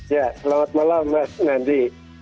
ya selamat malam mas nandi